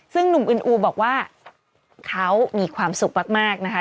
ซึ่งหนุ่มอึนอูบอกว่าเขามีความสุขมากนะคะ